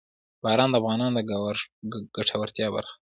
باران د افغانانو د ګټورتیا برخه ده.